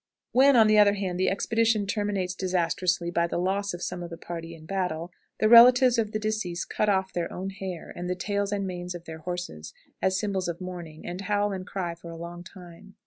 When, on the other hand, the expedition terminates disastrously by the loss of some of the party in battle, the relatives of the deceased cut off their own hair, and the tails and manes of their horses, as symbols of mourning, and howl and cry for a long time.